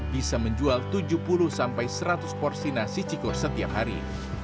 bisa menjual tujuh puluh sampai seratus porsi nasi cikur setiap hari